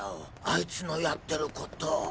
アイツのやってること。